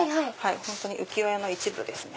本当に浮世絵の一部ですね。